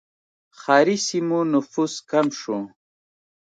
ښاري سیمو نفوس کم شو.